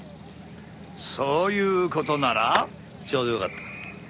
そういう事ならちょうどよかった。